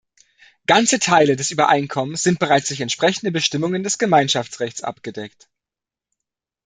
Ganze Teile des Übereinkommens sind bereits durch entsprechende Bestimmungen des Gemeinschaftsrechts abgedeckt.